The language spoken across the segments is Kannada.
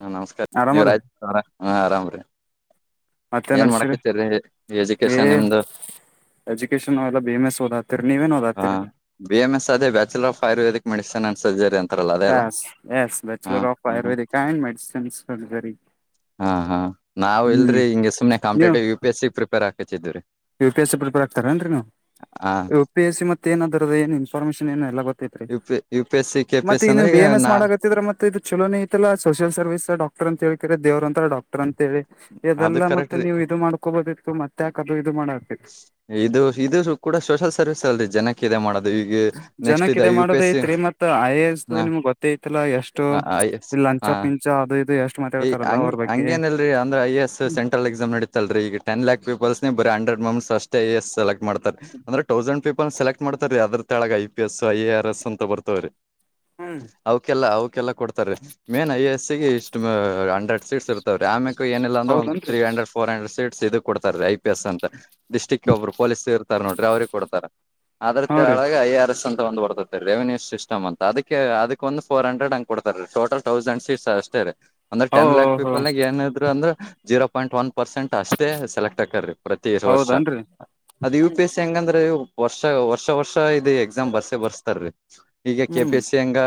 ಹ ನಮಸ್ಕಾರ ನೀವ್ ಆರಾಮಲ್ಲ ರಾಜೇಶ್ ಅವ್ರ ಆರಾಮ್ ರೀ ಮತ್ತೇನ್ ನಡ್ಸಿರಿ ಎಜುಕೇಶನ್ ಎನ್ ನಿಮ್ದು ಎಜುಕೇಶನ್ [inaudible] ಬಿ ಎಂ ಎಸ್ಓದಾತರಿ ನೀವೇನ್ ಹ ಓದಾತೀರಿ ಬಿ ಎಂ ಎಸ್ ಅದ bachelor of Ayurvedic medicine and surgery ಅಂತ ಯಸ್ ಎಸ್ ಬ್ಯಾಚುಲರ್ ಆಫ್ ಹ ಆಯುರ್ವೇದಿಕ್ ಆ್ಯಂಡ್ ಮೆಡಿಸಿನ್ಸ್ರಿ [inaudible] ಹಾ ಹಾ ನಾವ್ ಇಲ್ರರಿ ಹಿಂಗೆ ಸುಮ್ನೆ ನೀವು competitive U P S C prepare ಹಾಕತಿದ್ವಿ ರಿ U P A C prepare ಆಗ್ತಿರಾ ಅನ್ರಿ ನೀವು ಹ ಪಿ ಎಸ್ ಸಿ ಮತ್ ಏನಾದ್ರದ ಏನ್ ಇನ್ಫಾರ್ಮೇಶನ್ ಏನು ಎಲ್ಲ ಗೊತೈತ್ರಿ U P U P S C K P ಮತ್ತ ಎಸ್ ಈಗ ಅಂದ್ರೆ ನೀವು ಬಿ ಎಂ ಎಸ್ ನಾ ಮಾಡಕತ್ತಿದ್ರ ಮತ್ ದು ಚಲೋನೆ ಐತಲ್ಲ ಸೋಷಿಯಲ್ ಸರ್ವಿಸ್ ಡಕ್ಟರ್ [inaudible] ಅಂತೇಕಿದ [inaudible] ದವ್ರರಂತರಡಕ್ ಅಂತಿ ಅದು ಇದೆಲ್ಲ ಕರೆಕ್ಟ್ ಮತ್ತೆ ರೀ ನೀವು ಇದು ಮಾಡ್ಕೋಬದಿತ್ತು ಮತ್ತೆ ಯಾಕ ಅದು ಇದು ಮಾಡ ಎ ಇದು ಇದು ಕೂಡ ಸೋಷಲ್ ಸರ್ವಿಸ್ ಅಲ್ರಿ ಜನಕ್ ಜನಕೆ ಇದು ಮಾಡೋದ ಎಸ್ ಸಿ ಐತ್ರಿ ಮತ್ ಐ ಎ ಎಸ್ದು ಹ ನಿಮ್ಗ್ ಗೊತ್ತಐತಿ ತ್ತಲ್ಲ ಎಷ್ಟು ಹ ಎಸ್ ಇಲ್ಲಿ ಲಂಚ ಹಾ ಪಿಂಚ ಅದು ಇದು ಎಷ್ಟು ಈ ಮಾತಾಡ್ತಾರಲ್ಲ ಹಂಗ್ ಅವ್ರ ಬಗ್ಗೆ ಹಂಗೇನಲ್ರರಿ ಅಂದ್ರ ಐ ಎಸ್ ಸೆಂಟ್ರಲ್ ಎಕ್ಸಾಮ್ ನಡಿತ್ತಲ್ರಿ ಈ ಟೆನ್ಲ್ಯಾಕ್ ಪೀಪಲ್ಸ್ ಬರಿ ಹಂಡ್ರೆಡ್ ಮಮ್ಸ್ ಅಷ್ಟ ಐ ಎ ಎಸ್ ಸಲೆಕ್ಟ್ ಮಾಡತ್ ಅಂದ್ರೆ ತೌಸಂಡ್ ಪೀಪಲ್ ಸೆಲೆಕ್ಟ್ ಮಾಡ್ತಾರೀ ಅದ್ರ ಕೆಳಗ I P S I A R S ಅಂತ ಬರ್ತವ್ರೀ ಹ್ಮ್ ಅವ್ಕಲ್ಲ ಅವ್ಕಲ್ಲ ಕೊಡ್ತಾರೆ ಮೇನ್ ಐ ಎಸ್ ಸಿ ಇಷ್ಟ ಹಂಡ್ರೆಡ್ ಸೀಟ್ಸ್ ಇರ್ತವೀ ಆಮ್ಯಕ್ ಏನಿಲ್ಲ ಅಂದ್ರ ಒ ಹೌದನ್ರಿ ತ್ರೀ ಹಂಡ್ರೆಡ್ ಫೋರ್ ಹ್ರೆಡ್ ಸೀಟ್ಸ್ ಇದು ಕೊಡ್ತಾರೆ ರ ಐ ಪಿ ಎಸ್ ಅಂತ ಡಿಸ್ಟ್ರಿಕ್ಗೆ ಒಬ್ರು ಪೊಲೀಸ್ ಇರ್ತಾರೆ ನೋಡ್ರಿ ಅವ್ರಿಗೆ ಕೊಡ್ತಾರೆ ಅದ್ರ ಹಾ ರೀ ಕೆಳಗೆ ಐ ಆರ್ ಎಸ್ ಅಂತ ಒಂದ್ ಬರ್ತದೆ ರೆವೆನ್ಯೂ ಸಿಸ್ಟಮ್ ಅದಕ್ಕೆ ಅದಕ್ ಒಂದು ಫೂರ್ ಹಂಡ್ರೆಡ್ ಹಂಗ್ ಕೊಡ್ತಾರೆ ರಿ ಟೋಟಲ್ ತೌಸಂಡ್ ಸೀಟ್ಸ್ ಅಷ್ಟೇ ರೀ ಅಂದ್ರೆ ಓ ಟೆನ್ಲ್ಯಾಕ್ ಹೋ ಪೀಪಲ್ ಏನ ಇದ್ರು ಅಂದ್ರ್ ಜೀರೋ ಪಾಯಿಂಟ್ ಒನ್ ಪರ್ಸೆಂಟ್ ಅಷ್ಟೇ ಸೆಲೆಕ್ಟ್ ಹಾಕ್ರೀ ಪ್ರತಿ ವರ್ಷ ಹೌದನ್ರಿ ಅದು ಯು ಪಿ ಎಸ್ ಸಿ ಹೆಂಗಂದ್ರೆ ವರ್ಷ ವರ್ಷ ವರ್ಷ ಇದ್ ಎಕ್ಸಾಮ್ ಬರ್ಸೆ ಬರ್ಸ್ತಾರೀ ಈಗ ಕೆ ಪಿ ಹ್ಮ್ ಎಸ್ಸಿ ಹೆಂಗ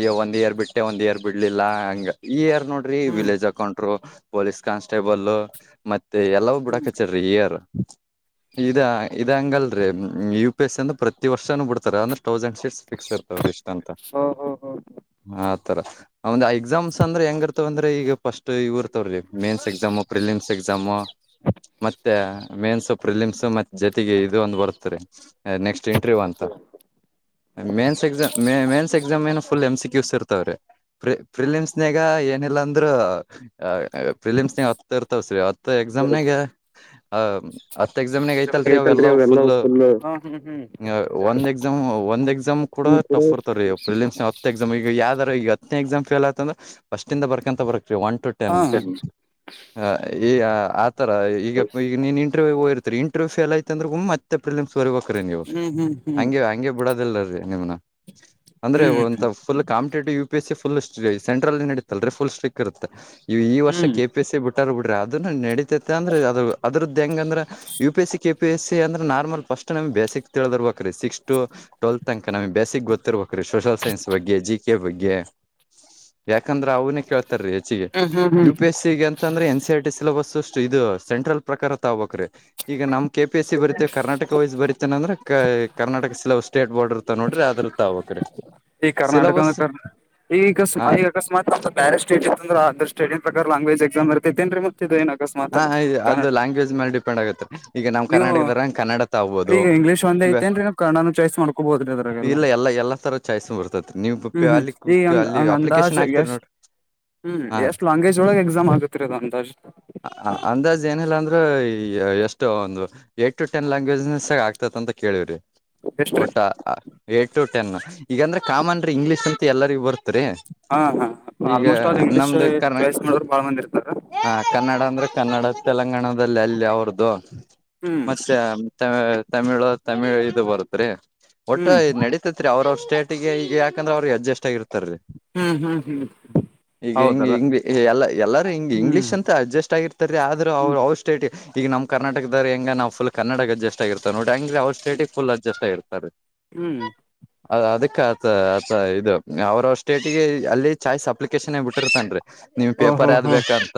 ಈ ಒಂದ್ ಇಯರ್ ಬಿಟ್ಟೆ ಒಂದ್ ಇಯರ್ ಬಿಡ್ಲಿಲ್ಲ ಹಂಗ ಈ ಇಯರ್ ನೋಡ್ರಿ ಹ್ಮ್ ವಿಲೇಜ್ ಹಾಕೊಂಡರು ಪೊಲೀಸ್ ಕಾನ್ಸ್ಟೇಬಲ್ ಮತ್ತೆ ಎಲ್ಲವು ಬಿಡ ಹ್ಮ್ ಕಚರಿ ಈ ಇಯರ್ ಇದ ಇದ ಹಂಗಲ್ರಿ ಯು ಪಿ ಎಸ್ ಸಿ ಅಂದ ಪ್ರತಿ ವರ್ಷನೂ ಬಿಡ್ತಾರೆ ಅಂದ್ರ ತೌಸಂಡ್ ರ ಎ ಓ ಹೋ ಹೋ [inaudible] ಅಂದ್ರೆ ಹೆಂಗ ಇರ್ತವ ಅಂದ್ರೆ ಈಗ ಫಸ್ಟ್ ಇವ ಇರ್ತವ್ರೀ ಮೇನ್ಸ್ ಎಕ್ಸಾಮ್ ಪ್ರಿಲಿಮ್ಸ್ ಎಕ್ಸಾಮು ಮತ್ತೆ ಮೇನ್ಸ್ ಪ್ರಫಿಲಿಮ್ಸ್ ಮತ್ ಜೊತೆಗೆ ಇದು ಒಂದ್ ಬರ್ತ್ರಿ ನೆಕ್ಸ್ಟ್ ಇಂಟರ್ವ್ಯೂ್ ಅಂತ ಮೇನ್ಸ್ ಎಕ್ಸಾಮ್ ಮೇನ್ಸ್ ಎಕ್ಸಾಮ್ ಏ ಫುಲ್ ಎಂಸ ಕ್ಯೂ ಸಿ ಇರ್ತವ್ರಿ [inaudible] ನಗ ಏನಿಲ್ಲಾ ಅಂದ್ರೂ ಫಿಲಿಮ್ಸ್ನ ಹೊತ್ತ ಇರ್ತವಸ್ರೀ ಹತ್ತು ಎಕ್ಸಾಮ್ನಾಗ ಆ ಹತ್ ಎಕ್ಸಾಮ್ನಾಗ ಐತಲ್ರಿ ಅವೆಲ್ಲ ಫುಲ್ ಒಂದ ಎಕ್ಸಾಮ್ ಒಂದ್ ಎಕ್ಸಾಮ್ ಕೂಡ ಟಫ್ ಇರ್ತಾರ ರೀ ಫಿಲಿಮ್ಸ್ ಈಗ ಯಾವ್ದಾರ ಈ ಹತ್ ಎಕ್ಸಮ್ ಫೇಲ್ ಆತಂದ್ರೆಫಸ್ಟ್ಂದ ಬರ್ಕಂತ ಬರ್ಕ್ ಒ [inaudible] ಟ ಹಾ ನ್ ಹ್ಮ್ ಹ ಈ ಆತರ ಈಗ ಈಗ ನೀನ್ ಇಂಟ್ರವ್ಯೂ ಹತ [inaudible] ಇಂಟರ್ವ್ಯ್ ಫೇಲ್ ಯಐತ [inaudible] ಅಂದ್ರೆ್ತ್ತೆ ಫಿಲಿಮ್ ಬರ್ಬೇಕೀ ನೀವು ಹ್ಮ್ ಹ್ಮ್ ಹ್ಮ್ ಹ್ಮ್ ಹಂಗೆ ಹಂಗೆ ಬಿಡೋದಿಲ್ಲಲ್ಲ ರೀ ನಿಮ್ನ ಅಂದ್ರೆ ಹ್ಮ್ ಒ full competitive U P S C full ಸೆಂಟ್ರಲ್ನಡಿತಲ್ರಿ ಫುಲ್ ಸ್ಟ್ರಿಕ್ ಇರುತ್ತೆ ಈ ವರ್ಷ ಕೆ ಪಿ ಎ ಸಿ ಬಿಟ್ಟಾರ ಬಿಡ್ರ ಅದು ನಡೀತೈತೆ ಅಂದ್ರೆ ಅದು ಅದ್ರದ್ದು ಹೆಂಗಂದ್ರೆ U P S C K P S C ಅ್ರ ನಾರ್ಮಲ್ ಫಸ್ಟ್ ನಮ್ ಬೆಸಿಕ್ ತಿಳಿದರ್ಬೇಕ್ರೀ ಸಿಕ್ಸ್ ಟು ಟ್ವೆಲ್ತ್ ತನಕ ನಮಗ್ ಬೇಸಿಕ್ ಗೊತ್ತಿರ್ಬೇಕ ರೀ ಸೋಷಲ್ ಸೈನ್ಸ್ ಬಗ್ಗೆ ಜಿ ಕೆ ಬಗ್ಗೆ ಯಾಕಂದ್ರ ಅವನೇ ಕೇಳ್ತಾರೀ ಹೆಚ್ಚಿಗೆ ಹ್ಮ್ ಹ್ಮ್ ಹ್ಮ್ ಯು ಪಿ ಎಸ್ ಸಿ [inaudible] ಅ ಅಂದ್ರೆ ಎನ್ ಸಿ ಆರ್ಟಿ ಸಿಲಬಸ್ ಅಷ್ಟು ಇದು ಸೆಂಟ್ರಲ್ ಪ್ರಕಾರ ತಗಬಬೇಕ್ ರಿ ಈಗ ನಮ್ ಕೆ ಪಿ ಎಸ್ ಸಿ ಬರಿತೇವಿ ಕರ್ನಾಟಕ ವಯಸ್ ಬರೀತೇನೆಂದ್ರೆ ಕ ಕರ್ನಾಟಕ ಸಲ್ ಸ್ಟೇಟ್ ಬೋರ್ಡ ಇರುತ್ತೆ ನೋಡ್ರೀ ಅದುರ್ತ ಅವ್ರಡೆ ಈ ಕರ್ನಾಟಕ ಹಾ ಈಸ್ಮ ಈಗ ಅಕಸ್ಮಾತ್ ಬೇರೆ ಸ್ಟೇಟ್ ಇರತ್ತದ್ದಲ್ಲ ಅದರ್ ಸ್ಟೇಟ್ನ್ ಪ್ರಕಾರ ಲಾಂಗ್ವೇಜ್ ಎಕ್ಸಾಮ್ ಇರತೆೇನ್ ರೀ ಮತ್ತ ಇದೇನ್ ಅಕಸ್ಮಾತ್ ಕನ್ನಡ್ ಅಗ್ ಯೂಸ್ ಮಾಡಿರ್ ಆಗತ್ತೆ [unintelligible] ಈಗ ನಮ್ಮ್ ಕರ್ನಾಟಕದರಂಗೆ ಕನ್ನಡ ತಗೊ ಆಗ್ಬೋದು ಈಗ ಇಂಗ್ಲೀಷ್ ಒಂದೇ ಐತೆೇನ್ರಿ ನೀವು ಕನ್ನಡನು ಚಾಯ್ಸ್ ಮಾಡ್ಕೋಬೋದ್ರಿ ಅದ್ರಾಗೆಲ್ಲ ಇಲ್ಲ ಎಲ್ಲಾ ಎಲ್ಲ ತರದ್ ಚಾಯ್ಸ್ ಬರ್ತೈತ್ರಿ ನೀವು ಹ್ಮ್ ಹ್ಮ್ ಅಲ್ಲಿ ಈಗ ಹಂಗ ಅಲ್ಲಿ ಹಂಗ ಅಪ್ಲಿಕೇಶನ್ ಅಂದಾಜ್ ಹಾಕ್ತಿರಿ ಎಷ್ಟ್ ನೋಡ್ ರೀ ಹ್ಮ್ ಎಷ್ಟು ಲಾಂಗ್ವೇಜ್ ಒಳಗೆ ಎಕ್ಸಾಮ್ ಆಗುತ್ತಿರೀ ಅದು ಅಂದಾಜು. ಅಂದಾಜ್ ಏನಿಲ್ಲ ಅಂದ್ರೆ ಎಷ್ಟು ಒಂದು ಏಟ್ ಟೂ ಟೆನ್ ಲಾಂಗ್ವೇಜಸ್ ನಾಗ ಆಗ್ತ ಅಂತ ಕೇಳಿವ್ರಿ. ಎಷ್ಟ್ರೀ ಒಟ್ಟ ಏಟ್ ಟು ಟೆನ್ ಈಗಂದ್ರೆ ಕಾಮನ್ ರೀ ಇಂಗ್ಲೀಷ್ ಅಂತ ಎಲ್ಲರಿಗೂ ಬರ್ತ್ ತ್ರಿ ಹಾ ಹಾ ಈಗ ನಮ್ದು ಕರ್ಣಕ್ ಕಾಳ ಮಂದಿರ್ತದ ಹ ಕನ್ನಡ ಅಂದ್ರೆ ಕನ್ನಡ ತೆಲಂಗಾಣದಲ್ಲಿ ಅಲ್ಲಿ ಅವರದ್ದು ಹ್ಮ್ ಮತ್ತೆ ತೆ ತಮಿಳು ತಮಿಳ್ ಇದು ಬರುತ್ ರೀ ಒಟ್ಟೂ ಹ್ಮ್ ಇದ್ ನಡೀ ತಿತ್ರಿ ಅವರ ಅವರ ಸ್ಟೇಟ್ ಗೆ ಈಗ ಯಾಕಂದ್ರೆ ಅವರು ಅಜಸ್ಟ್ ಆಗಿರ್ತಾರೀ. ಹ್ಮ್ ಹ್ಮ್ ಹ್ಮ್ ಈಗ ಹಿಂಗೆ ಹೌದಲ್ಲ ಹೆಂಗ ಎಲ್ಲಾ ಎಲ್ಲಾ ಹಿಂಗ ಹ್ಮ್ ಇಂಗ್ಲಿಷ್ ಅಂತ ಅಡ್ಜಸ್ ಆಗಿರ್ತ ರೀ ಆದ್ರೆ ಹ್ಮ್ ಅವರು ಅವರ ಸ್ಟೇಟ್ ಈಗ ನಮ್ಮ ಕರ್ನಾಟಕದವರ್ ಹೆಂಗೆ ನಾವು ಫುಲ್ ಕನ್ನಡಕ್ಕೆ ಅಡ್ಜಸ್ಟ್ ಆಗಿರ್ತ ನೋಡಿ ಹಂಗೆ ಅವರು ಸೇಟಿಗೆ ಫುಲ್ ಅಡ್ಜಸ್ ಆಗಿರ್ತಾರೆ ರೀ. ಹ್ಮ್ ಅ ಅದಕ್ಕತ್ ಅ ಇದು ಅವರ ಅವರ ಸ್ಟೇಟಿಗೆ ಅಲ್ಲಿ ಚಾಯ್ಸ್ ಅಪ್ಲಿಕೇಶನೇ ಬಿಟ್ಟಿರ್ತನ್ ರೀ. ನಿಮ್ಮ್ ಓಹೋ ಪೇಪರ್ ಯಾದ್ ಹೋ ಬೇಕಂತ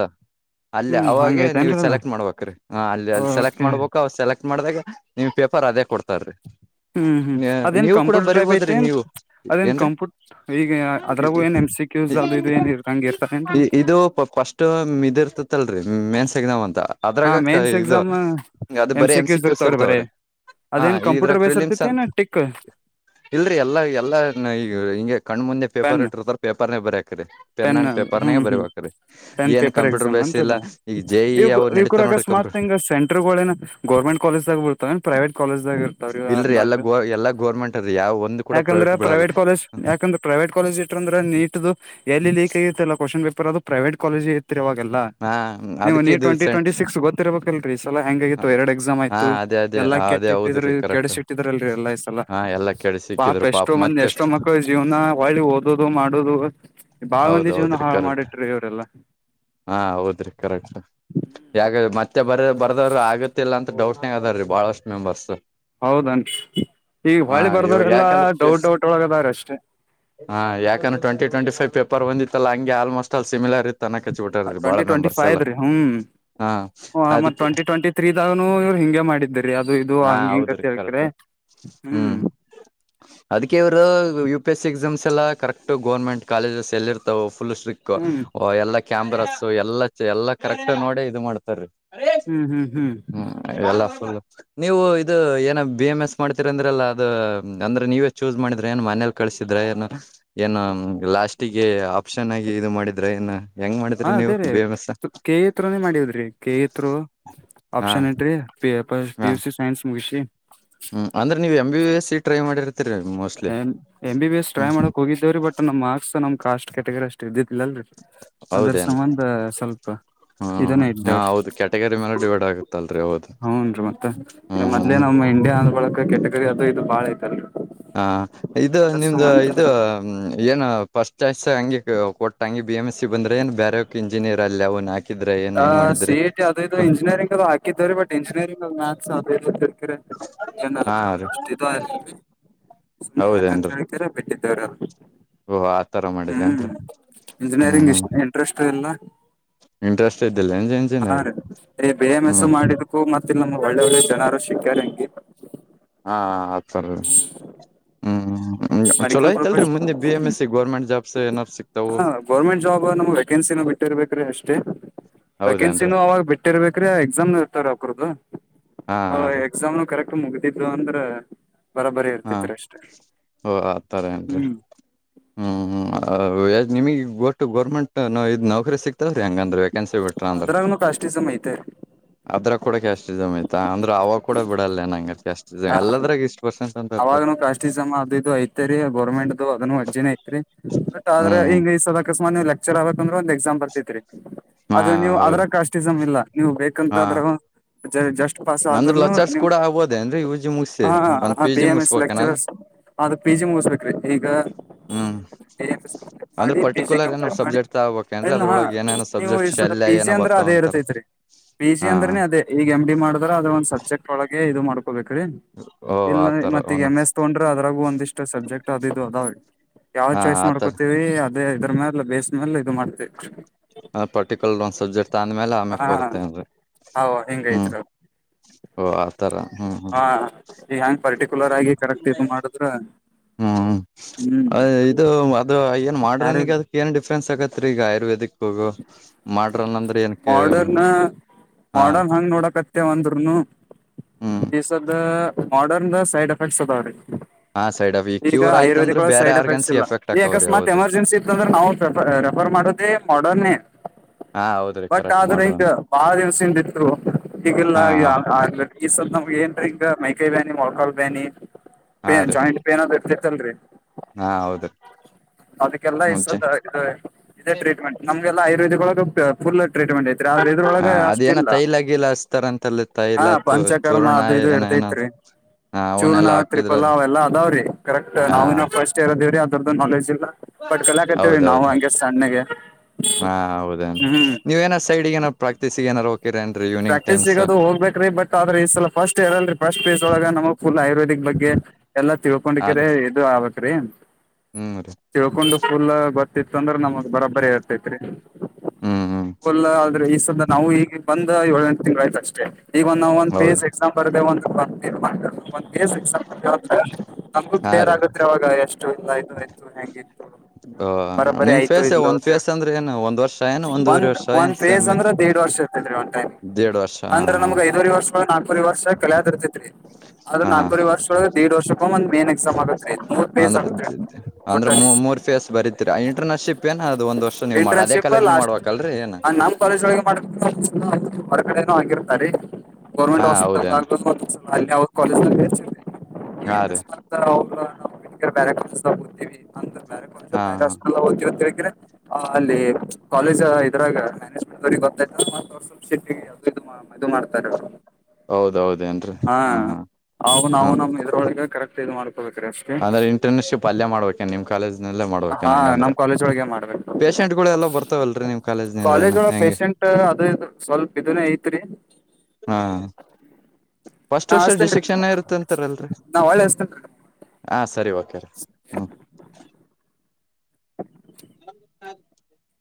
ಅಲ್ಲಿ ಹ್ಮ್ ಅವಾಗೆ ನೀವು ಹಂಗೈತೇನ್ರಿ ಅದ ಸೆಲೆಕ್ಟ್ ಮಾಡ್ಬೇಕ್ರೀ ಹ ಅಲ್ಲಿ ಅಲ್ಲಿ ಸೆಲೆಕ್ಟ್ ಓಕೆ ಮಾಡ್ಬೇಕು ಅವು ಸೆಲೆಕ್ಟ್ ಮಾಡ್ದಾಗ ನಿಮ್ ಪೇಪರ್ ಅದೇ ಕೊಡ್ತಾರೀ. ಹ್ಮ್ ಹ್ಮ್ ಅದೇನ್ ನೀವು ಕೂಡ ಕಂಪ್ಯೂಟರ್ ಟ್ರೈಪ್ ಬರಿಬೋದ್ರಿ ಐತೆನೆ ಏನ್ ನೀವು ಅದೇನ್ ಏನ್ರೀ ಕಂಪ್ಯೂ ಈಗ ಅದ್ರಾಗು ಏನ್ ಎಮ್ ಸಿ ಕ್ ಕ್ಯೂಸ್ ಅದು ಇದು ಏನ್ ಅ ಹಂಗೆ ಇರ್ತಾವೆನ್ ರೀ ಮತ್ತ್ ಫಸ್ಟು ಮಿದಿರ್ತತ್ತಲ್ರಿ ಮೆನ್ಸ್ ಎಕ್ಸಾಮ್ ಅಂತ. ಹಾ ಅದ್ರಾಗ ಮೇನ್ಸ್ ಇದು ಎಕ್ಸಾಮ್ ಅದು ಎಮ್ ಬರೀ ಎಂ ಸಿ ಕ್ಯೂಸ್ ಇರ್ತಾವ್ರಿ ಬರೇ ಇರ್ತಾವ್ರೀ ಹಾ ಅದೇನ್ ಇದ್ರಾಗ ಕಂಪ್ಯೂಟರ್ ಬೇಸ್ ಪ್ರಿಲೀಮ್ಸ್ ಇರ್ತೈತೆೇನ ಅಂತ್ ಟಿಕ್ ಇಲ್ರರಿ ಎಲ್ಲಾ ಎಲ್ಲಾ ಈ ಹಿಂಗೆ ಕಣ್ಣ್ ಮುಂದೆ ಪೆನ್ ಪೇಪರ್ ಇಟ್ಟಿರ್ತರ್ ಪೇಪರ್ ನೇ ಬರಿಯಾಕ್ರರಿ ಪೆನ್ ಅಂಡ್ ಪೇಪಾರ್ ನೇ ಹ್ಮ್ ಹ್ಮ್ ಬರಿಬೇಕ್ ರೀ. ಪೆನ್ ಪೇಪರ್ ಎಕ್ಸಾಮ್ ಅಂತ ಅದು ಜೆ ಇ ಅವು ನಡೀತಾವ ಇವರ ನೋಡ್ರಿ ಸ್ಮಾರ್ಟ್ ಕಂಪ್ಯೂಟರ್ ತಿಂಗ್ ಸೆಂಟರ್ ಗಳೆನ್ನು ಗೋರ್ಮೆಂಟ್ ಕಾಲೇಜ್ ದಾಗ್ ಉ ತಾವೆನ್ ಪ್ರೈವೇಟ್ ಕಾಲೇಜ್ ದಾಗ ಇರ್ತವ್ರೀ ಇಲ್ರರಿ ಎಲ್ಲ ಅಂದಾಜು ಗೋ ಎಲ್ಲಾ ಗೋರ್ಮೆಂಟ್ ಅದ ಯಾವ ಒಂದು ಕೂಡ ಯಾಕಂದ್ರೆ ಬಿಳಲ್ಲ ಪ್ರೈವೇಟ್ ಕಾಲೇಜ್ ಯಾಕಂದ್ರೆ ಪ್ರೈವೇಟ್ ಕಾಲೇಜು ಇತಂದ್ರೇ ನೀಟ್ದು ಎಲ್ಲಿ ಲೀಕ್ ಆಗಿತ್ತಲ್ಲ ಕ್ವಾಶನ್ ಪೇಪರ್ ಅದು ಪ್ರೈವೇಟ್ ಕಾಲೇಜ್ ಇ ಇತ್ರೀ ಆವಾಗೆಲ್ಲಾ ಹಾ ನೀವು ಅದಕ್ಕೆ ನೀ ಇದು ಟ್ವೆಂಟಿ ಸೆಂಟ್ ಟ್ವೆಂಟಿ ಸಿಕ್ಸ್ ಗೊತ್ತಿರ್ಬೇಕಲ್ ರೀ ಈ ಸಲ ಹೆಂಗ್ ಆಗಿತ್ತು ಎರಡು ಎಕ್ಸಾಮ್ ಹಾ ಆಯ್ತು ಅದೇ ಅದೇ ಎಲ್ಲಾ ಅದೇ ಕೆಟ್ಟಿಟ್ಟಿದ್ರು ಹೌದ್ರಿ ಕರೆಕ್ಟ್ ಕೆಡಿಸಿ ಇಟ್ಟಿದಲ್ ರೀ ಎಲ್ಲಾ ಈ ಸಲ ಹಾ ಎಲ್ಲಾ ಕೇಳಿ ಪಾಪ ಸಿಕ್ಕಿದ್ರು ಎಷ್ಟೋ ಮಂದಿ ಎಷ್ಟೋ ಮತ್ತೆಷ್ಟು ಮಕ್ಕಳು ಎ ಜೀವನ ಒಳ್ಳಿ ಓದೋದು ಮಾಡೋದು ಬಾಳ ಮಂದಿ ಹೌದ್ ಜೀವನ ಹೌದ್ರಿ ಹಾಳು ಕರೆಕ್ಟ್ ಮಾಡಿಟ್ರಿ ಇವರೆಲ್ಲಾ. ಹಾ ಹೌದ್ರಿ ಕರೆಕ್ಟ್ ಯಾಗ ಮತ್ತೆ ಬರ ಬರೆದವರು ಎಲ್ಲಾ ಆಗುತ್ತೆ ಇಲ್ಲ ಅಂತ ಡೌಟ್ ಅದಾರ್ ರೀ ಬಹಳಷ್ಟು ಮೆಂಬರ್ಸ್ ಹೌದನ್ ಈಗ ಹಾ ಹೊಳಿ ಇವಾಗ ಬರ್ದವ್ರೆಲ್ಲಾ ಯಾಕಂದ್ರೆ ಡೌಟ್ ಡೌಟ್ ಒಳಗದ್ರ ಅಷ್ಟೇ. ಹಾ ಯಾಕಂದ್ರೆ ಟ್ವೆಂಟಿ ಟ್ವೆಂಟಿ ಫೈವ್ ಪೇಪರ್ ಬಂದಿತ್ತಲ್ಲ ಹಂಗೆ ಆಲ್ಮೋಸ್ಟ್ ಅಲ್ಲಿ ಸಿಮಿಲರ್ ಇತ್ತ್ ಟ್ವೆಂಟಿ ಟ್ವೆಂಟಿ ಫೈವ್ ದು ರೀ ಹ್ಮ್ ಹಾ ಹ ಮತ್ತ್ ಅದಕ್ಕೆ ಟ್ವೆಂಟಿ ಟ್ವೆಂಟಿ ತ್ರೀದಾಗನು ಇವ್ರು ಹಿಂಗೆ ಮಾಡಿದ್ರರಿ ಅದು ಇದು ಹಾ ಹಂಗ ಹಿಂಗ ಹೌದ್ರಿ ಹೇಳ್ಕ್ರೆ ಕರೆಕ್ಟ್ ಹ್ಮ್ ಅದಕ್ಕೆ ಇವರು U P S C exams ಎಲ್ಲ ಕರೆಕ್ಟ್ ಗೋರ್ಮೆಂಟ್ ಕಾಲೇಜಸ್ ಚಲ್ಲಿ ಇರ್ತವು ಫುಲ್ ಸ್ಟ್ರಿಕ್ ಹ್ಮ್ ಒ ಎಲ್ಲ ಕ್ಯಾಮ್ರಸ್ ಎಲ್ಲ ಎಲ್ಲಾ ಕರೆಕ್ಟ್ ನೋಡೇ ಇದು ಮಾಡ್ತಾರೀ [inaudible] ಹ್ಮ್ ಹ್ಮ್ ಹ್ಮ್ ಎಲ್ಲ ಫುಲ್ ನೀವು ಇದು ಏನ ಬಿ ಎಮ್ ಎಸ್ ಮಾಡ್ತೀರಿ ಅಂದ್ರಲ್ಲ ಅದು ಅಂದ್ರೆ ನೀವೇ ಚೂಸ್ ಮಾಡಿದ್ರೆ ಏನ್ ಮನೇಲಿ ಕಳಸಿದ್ರ ಏನ ಏನು ಲಾಸ್ಟಿಗೆ ಆಪ್ಷನ್ ಆಗಿ ಇದು ಮಾಡಿದ್ರ ಏನ ಹಾ ಅದೇ ರೀ ಕೆ ಇತ್ರನೇ ಮಾಡದ್ರಿ ಕೆ ಇತ್ರ ಹಾ ಆಪ್ಷನ್ [inaudible] [inaudible] ಪ ಪಿ ಹಾ ಯುಸ್ ಸಿ ಸೈನ್ಸ್ ಮುಗಿಸಿ ಹ್ಮ್ ಅಂದ್ರ ನೀವು M B B S C try ಮಾಡಿರ [inaudible] A M B S try ಮಾಡಕ್ ಹೋಗಿದ್ದೇರೀ ಬಟ್ ನಮ್ ಮಾರ್ಕ್ಸ್ ನಮ್ ಕಾಸ್ಟ್ ಕೆಟಗರಿ ಅಷ್ಟ ಇದ್ದಿದ್ಲಲ್ರರಿ ಅಂದ್ರ ಹೌದೇನ್ ಸಂಬಂಧ ಸ್ವಲ್ಪ ಹ್ಮ್ ಇದನ್ನ ಹಾ ಇದ್ದವ್ರೀ ಹೌದು ಕ್ಯಾಟಗರಿ ಮೇಲೆ ಡಿವೈಡ್ ಆಗುತ್ತಲ್ರಿ ಹೌದು [inaudible] ಹ್ನ್ೀ ಮತ್ತ ಹ್ಮ್ ಮದ್ಲೆ ಹ್ಮ್ ನಮ್ಮ ಇಂಡಿಯಾ ಅಂದ್ರ ಬಳಕ ಕೆಟಗರಿ ಅದು ಇದು ಬಾಳ ಐತ ಹಾ ಇದು ನಿಮ್ದ ಇದು ಏನು ಫಸ್ಟ್ ಚಾಯ್ಸ್ ಹಂಗೆ ಕೊಟ್ಟಂಗ ಬಿ ಎಮ್ ಎಸ್ ಸಿ ಬಂದ್ರೆ ಏ ಬೇರೆೋ ಇಂಜಿನಿಯರ್ ಅಯ ಅವ್ನ್ ಯಾಕೆ ಆ ಸಿ ಟಿ ಅದ ಇದು ಇಂಜಿನಿಯರಿಂಗ ಅದು ಹಾಕಿದ್ರರಿ ಬಟ್ ಇಂಜಿನಿಯರಿಂಗ್ ಮ್ಯಾಥಸ್ ಅದೇರ್ಕರಿ [inaudible] [inaudible] ನ ಹಾ ರೀ ಅಷ್ಟೋ ಅ ಸುಮ್ಮನೆ ಯಾಕಂತ ಹೌದೇನ್ರಿ ಹೇಳಕಾರ ಬಿಟ್ಟಿದ್ದ್ರ ಓಹ ಆತರ ಹ್ಮ್ ಮಾಡಿದೇನ್ರಿ ಹ್ಮ್ ಇಂಜಿನಿಯರಿಂಗ್ ಇಷ್ಟ ಇಂಟ್ರೆಸ್ಟ್ ಇಲ್ಲ ಇಂಟ್ರಸ್ಟ್ [inaudible] [inaudible] [inaudible] ಹಾ ರೀ ರ ಬೇ ಎಂ ಎಸ ಮಾಡಿದಕ್ಕು ಮತ್ತೆ ನಮ್ ಒಳ್ಳೆ ಒಳ್ಳೆ ಜನರು ಸಿಕ್ಕ್ಯಾರ ಹಂಗಗೆ ಹಾ ಆತರ ಹ್ಮ್ ಹ್ಮ್ ಚಲೋ ಮೆಡಿಕಲ್ ಆಐತಲ್ರಿ ಪ್ರೊಫೆಷನ್ ಮುಂದೆ B M S C government jobs ಏನಾರ್ ಸಿಕ್ತಾವು ಹಾ ಗೌರ್ಮೆಂಟ್ ಜಾಬ್ ನಮಗೆ ವ್ಯಾಕೆನ್ಸಿನ ಬಿಟ್ಟಿರ್ಬೇಕ್ರೆ ಅಷ್ಟೇ ವೇಕೆನ್ಸಿ ಹೌದೇನ್ರಿ ಅವಾಗ ಬಿಟ್ಟಿರ್ಬೇಕ್ರೀ ಎಕ್ಸಾಮ್ ಇರ್ತಾರ ಅಕ್ರದ್ದು ಹಾ ಹ ರೀ ಎಕ್ಸಾಮ್ನು ಕರೆಕ್ಟ್ ಮುಗತಿದ್ರು ಅಂದ್ರ ಬರಾಬರಿ ಹಾ ಇರ್ತಿತ್ರಿ ಅಷ್ಟೇ ಓ ಆತರ ಏನ್ರಿ ಹ್ಮ್ ಹ್ಮ್ ನಿಮಗ್ ಒಟ್ಟು ಗೋರ್ಮೆಂಟ್ ನ ಇದ್ ನೌಕರಿ ಸಿಕ್ತಾವ್ರಿ ಹಂಗ ಅ್ರ ವೇಕನ್ಸಿ [inaudible] ಬಿ್ರಾ ಅ್ರ ಕ್ಯಾಸ್ಟಿಸ್ಮ್ ಐತೆ ಅದ್ರ ಕೂಡ ಕಾಸ್ [inaudible] ಸಮಯತ ಅಂದ್ರೆ ಅವ ಕೂಡ ಬಿಡಲ್ಲೇ ನಂ [inaudible] ಜಾಸ್ ಎಲ್ಲದರಾಗ ಇಷ್ಟ ಅವಾಗೂ ಕ್ಯಾಸ್ಟಿಸಮ್ ಅದುದು ಐತೆರೀ ಗೌರ್ಮೆಂಟ್ ದು ಅದುನು [inaudible] ಅಜೆ ಐ ಬಟ್ ಆದ್ರ ಹ್ಮ್ ಹಿಂಗ್ಸ [inaudible] ಅಕಸ್ಮಾತ್ ನೀವು ಲೆಕ್ಚರ್ ಆಗ್ಬೇಕುಂದ್ರೆ ಒಂದ ಬರ್ತರಿ ಹಾ ಅದು ನೀವು ಅದ್ರ ಹೌದು ಕಾಸ್ಟಿಸಮ್ ಇಲ್ಲ ಹಾ ನೀವುಬೇಕಂತ್ರ ಜ ಜಸ್ಟ್ ಪಾಸ್ ಆದ್ರುನು ನಿಮ್ [inaudible] ಹೌೋದೇಏನ್ೀ ಇವಜ ಮುಗ ಹಾ ಹ B M M S lectures ಆದ ಪಿ ಜಿ ಮುಗಿಸ್ಬೇಕ್ರಿ ಈಗ ಹ್ಮ [inaudible] ಎ ಎಂಟ್ ಮಾಡಿ ಪಿ ಜಿ ಕಂಪ್ಲೀಟ್ ಮಾಡಿ ಸಬ್ಜೆಕ್ಟ್ ತಗಬೇಕೇನ್ರಿ ಇಲ್ಲ ಹ ಅದ್ರೊಳಗೆ ಏನೇನೋ ನೀವು ಸಬ್ಜೆಕ್ಟ್ ಈ ಸ ಶಲ್ಯ ಪಿ ಜಿ ಏನೋ ಅಂದ್ರೆ ಬರ್ತಾವ ಅದೇ ಅಂತಾರ ಇರುತ್ತೆ ರ ಪಿ ಜಿ ಹಾ ಅಂದ್ರನೇ ಅದೇ ಈಗ ಎಮ್ ಡಿ ಮಾಡಿದ್ರ ಅ್ರ ಒಂದ್ ಸಬ್ಜೆಕ್ಟ್ ಒಳಗೆ ಇದು ಮಾಡ್ಕೊಬೇಕ್ರೀ ಓ ಇಲ್ಲ ಆತರ ಮತ್ತ ಈಗ ಎಮ್ ಒಂದೊಂದ್ ಎಸ್ ತೊಗೊಂಡ್ರೆ ಅದ್ರಾಗು ಒಂದಿಷ್ಟ್ ಸಬ್ಜೆಕ್ಟ್ ಅದು ಇದು ಅದಾವ ಯಾವ್ ಹಾ ಚಾಯ್ಸ್ ಆತರ ಮಾಡ್ಕೋತೀವಿ ಅದೇ ಇದ್ರ ಮೇಲೆ ಬೇಸ್ ಮೇಲೆ ಇದು ಮಾಡ್ತೇವಿ ಅ ಪರ್ಟಿಕ್ಯುಲರ್ ಒಂದ್ ಸಬ್ಜೆಕ್ಟ್ ಅಂದ್ಮೇಲೆ ಆಮ್ಯಕ್ ಹಾ ಬರುತ್ತೇನ್ರಿ ಹೌ ಹ್ಮ್ ಹಿಂಗೈತ್ರಿ ಓ ಆತರ ಹ್ಮ್ ಹಾ ಹ್ಮ್. ಈಗ ಹೆಂಗ್ ಪರ್ಟಿಕ್ಯುಲರ್ ಆಗಿ ಕರೆಕ್ಟ್ ಇದು ಮಾಡಿದ್ರ [unintelligible] ಹ್ಮ್ ಅ ಹ್ಮ್ ಇದು ಅದು ಏನ್ ಮಾಡ್ರನಗ ಯಾರಿಲ್ ಅದು? [unintelligible] ಏನ್ ಡಿಫ್ರೆನ್ಸ್ ಆಗುತಾರಿ! ಈಗ ಆಯುರ್ವೇದಿಕ್ ಹೋಗು? [inaudible] ಮಾಡ್ರಲ್ಲ ಅಂದ್ರೆ ಏನ್? [inaudible] ಮೊರ್ಡರ್ನ ಮಾಡೋರು ಹಂಗ್ ನೋಡಕ? [inaudible] ಮತ್ತೆ ಒಂದೂರುನು! ಹ್ಮ್ ಈಸದ ಮಾಡರ್ನ್ದ ಸೈಡ್ ಎಫೆಕ್ಟ್ಸ್ ಅದಾವ್ರೀ ನೋಡ್ರಿ? [inaudible] ಆ, ಸೈಡ್ ಅಭಿ! [inaudible] ಈಗ ಆಯುರ್ವೇದಕ್ಳ ಸೈಡ್ ಎಫೆಕ್ಟ್ಸ್ ಇಲ್ಲ. [inaudible] ಈ ಆಕವ್ರಿ ಅಕಸ್ಮಾತ್ ಹೌದು ಎಮರ್ಜೆನ್ಸಿ! ಇತ್ಂದ್ರೆ ನಾವು ರೆಫರ್ ಮಾಡೋದೇ ಮಾಡನ್? [inaudible] ಹಾ ಹೌದು? [inaudible] ಬಟ್ ಆದ್ರೆ! ಹಿಗ, ಬಾಳ, ದಿವ್ಸಿಂದ, ಇತ್ತು ಬಟ್ ಇವಾಗ ಇಲ್ಲಾ? ಹಾ [inaudible] ಈ ಸತ್ ನಮ್ಗೆ! ಏನ್ ಹಿಂಗ, ಮೈಕೈ, ಬ್ಯಾನಿ ಮೊಳಕಾಲ್, ಬ್ಯಾನಿ, ಹಾ ರೀ ಜಾಯಿಂಟ್. [inaudible] ಏನಾದರೂ ಇರುತಿತ್ಹುಅಲ್ರೀ? ಹಾ ಹೌದ್ರಿ [inaudible] ಅದಕ್ಕೆಲ್ಲ ಈ ಮುಂಚೆ ಶತ ಇದು ಇದೇ ಟ್ರೀಟ್ಮೆಂಟ್. [unintelligible] ನಮ್ಗೆಲ್ಲ ಆಯುರ್ವೇದ! ಒಳ ಫುಲ್ ಟ್ರೀಟ್ಮೆಂಟ್ ಐತ್ರಿ. [inaudible] ಹ ಇದ್ರೊಗ ಅದೇನ ಆಸ್ತಿಲ್ಲಾ ತೈಲ ಗೀಲ ಹಚ್ತಾರಂತಲ್ಲ ಹಾ ತೈಲ ತು ಪಂಚಕರ್ಮ ಚೂರ್ಣ ಅದು ಇದು ಏನ ಏನ ಇರ್ತೈತ್ರಿ? [inaudible] ಚೂರ್ಣ ಅವನೆಲ್ಲಾ ತ್ರಿಪಾ ಹಾಕಿದ್ರ ಅವೆಲ್ಲ! ಅದಾವ್ರೀ, ಕರೆಕ್ಟ್ ಹಾ ನಾವಿನ ಫಸ್ಟ್, ಇಯರ್ ಇದದೇವ್ರೀ, ಅದ್ರದ್ದು ನಾಲೆಜ್ ಇಲ್ಲ. [inaudible] ಬಟ್ ಕಲಾಕತಿವೀ! ನಾವು ಹೌದೌದು ಹಂಗೆ ಸಣ್ಣಗೆ? [inaudible] ಹ್ಮ್ ನೀವು ಏನ ಸೈಡ್ಗೆ! ಏನೋ ಪ್ರಟಿಸಗಾ ಏನ್ಯಾದರು? [inaudible] ಕಿರಣನ್ರಿ! [inaudible] ಪ್ರಾಕ್ಟೀಸ್ ಸಿಗೋದು ಹೋಗ್ಬೇಕ್ರಿ! ಬಟ್ ಆದ್ರೆ ಈ ಸಲ ಫಸ್ಟ್ ಹೇಳರಲ್ರಿ? ಫಸ್ಟ್ಸ್, ಒಳಗೆ ನಮ್ ಫುಲ್ ಆಯುರ್ವೇದಿಕ್ ಬಗ್ಗೆ? [inaudible] ಎಲ್ಲಾ ತಿಳುಕೊಂಡುಕೆರಿ! ಇದು ಆಗುತ್ತೂರಿ. [inaudible] ಹ್ಮ. [inaudible] ತಿಳ್ಕೊಂಡು ಫುಲ್! ಗೊತ್ತಿತ್ತು ಅಂದ್ರೆ ನಮ್ದ ಬರಾಬರಿ ಇರ್ತೈತ್ರಿ? ಹ್ಮ್ ಹ್ಮ್ [inaudible] ಫುಲ್ ಆದ್ರೆ! ಈ ಸಲ ನಾವು ಈಗ ಬಂದ ಏಳೆಂಟು ತಿಂಗಳ ಆಯ್ತು ಅಷ್ಟೇ? [inaudible] ಈಗ ನಾವು ಒಂದ್ ಹೌದು ಪಿಯುಸಿ ಎಕ್ಸಾಮ್ ಬರ್ದೇ ಬಾ ಅಂದೇ? [unintelligible] ಒಂದ್ ಪೇಜ್! ಎಕ್ಸ ನಮಗು ಹಾ ಕ್ಲಿಯರ್ ರೀ ಆಗತ್ ಅವಾಗ ಎಷ್ಟು! ಇಲ್ಲ ಇದು ಆಯ್ತು ಹೆಂಗಗೆ? [inaudible] ಹ, ನಿಮ್ ಫೇಸ್, ಒಂದ ಅಂತ ಫೇಸ್! ಅಂದ್ರೆ ಏನು ಒಂದ್ ವರ್ಷ, ಏನು ಒಂದೂವರೆ ವರ್ಷ? [inaudible] ಒಂದ ಫೇಸ್ ಅಂದ್ರೆ! ದೇಡ್ ವರ್ಷ ಇರ್ತರರಿ ಒಂದು ಟೈಮ್? [inaudible] ದೇಡ್ ವರ್ಷ ಹಾ ಹಾ ಹಾ? [inaudible] ತ್ರಿ ವರ್ಷಕು ನಾಲ್ಕವರೆ ವರ್ಷ ಕಲಯ್ ಇರ್ತಿತ್ರಿ? [inaudible] ಅದ ಹ ಹಾ ನಲ್ಕವ ವರ್ಷ! ಒಳ ದಡ್, ವರ್ಷಕೊಂದ ಮೇನ್, ಎಕ್ಸಾಮ್ಗತ್ರಿ, ಮೂರ್ ಪೇಸ್ ಆಗತ್ರಿ? [inaudible] ಅಂದ್ರೆ ಮೂ ಟೋಟಲಿ ಮೂರ್ ಫೇಸ್ ಬರಿತೀರ! ಇಂಟರ್ನ್ರ್ಶಿಪ್, ಏನ, ಅದ, ಒಂದ ವರ್ಷ, ನೀವು ಮಾಡ, ಅದೇ ಕಾಲೇಜ್ನೆ, ಮಾಡ್ಬೇಕಲ್ರರಿ, ಏನ್? [inaudible] ಪೊಲೀಸವರು ಏನು ಮಾಡ್ತ ಏನೋ ಮಾಡುತ್ತ ಇರುತ್ತಾರೆ? [inaudible] ಗೌರ್ಮೆಂಟ್ ಹಾ ಹಾಸ್ಪಿಟಲ್! ಹೌದೇನ್ರಿ ಆಗ್ಬೋದು ಅಲ್ಲಿ ಕಾಲೇಜು? ಹಾ ರೀ ಹಾ [unintelligible] [unintelligible] [inaudible] ಹ ಅಲ್ಲಿ ಕಾಲೇಜ್ ಇದ್ರಾಗ! ಮ್ಯಾನೇಜ್ಮೆಂಟ್ ಅವ್ರಿಗೆ ಗೊತ್ತಾಯ್ತ? [unintelligible] ಸ್ವಲ್ಪ ಸಿ ಪಿ ಅದು ಇದು ಮಾಡ್ತಾರೆ ಅವರು? [unintelligible] ಹಾ ಅವನು ಹ್ಮ ಅವನು ಇದ್ರೊಳಗೆ ಕರೆಕ್ಟ್ ಇದು ಮಾಡ್ಕೋಬೇಕ್ರೀ? [inaudible] ಅಂದ್ರೆ ಇಂಟರ್ನ್ಶಿಪ್ ಅಲ್ಲೇ ಮಾಡ್ಬೇಕು? [unintelligible] ನಿಮ್ ಕಾಲೇಜ್ನಲ್ಲೇ ಮಾಡ್ಬೇಕು! ಹಾ ನಂಗಂದ್ರ ನಮ್ ಕಾಲೇಜ್ ಒಳಗೆ ಪೇಶಷೆಂಟ್ಗಳು, ಎಲ್ಲ, ಬರ್ತಾವಲ್ರೀ, ನೀವು? [inaudible] ಕಾಲೇಜು ಒಳಗೆ ಪೇಶೆಂಟ್! ಅದು ಇದು ಸ್ವಲ್ಪ ಇದನ್ನ ಐತ್ರಿ? [inaudible] ಹಾ! [inaudible] ಫಸ್ಟ್ ನಾ ವರ್ಷ! ಹಸ್ತೇನ್ರಿ ಡಿಸಿಕ್ಷನು, ಇರುತ್ತೆ, ಅಂತಾರಲ್ಲರಿ ನಾ ಹೊಳ್ಳಿ ಹಸ್ತೇನ್ರಿ. ಹಾ, ಸರಿ, ಓಕೆ, ರೀ. [unintelligible] [unintelligible] [inaudible] [unintelligible]